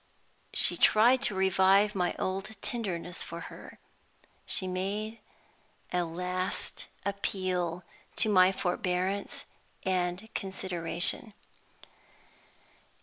She tried to revive my old tenderness for her; she made a last appeal to my forbearance and consideration.